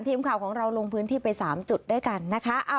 ทีมข่าวของเราลงพื้นที่ไป๓จุดด้วยกันนะคะ